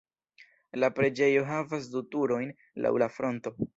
La preĝejo havas du turojn laŭ la fronto.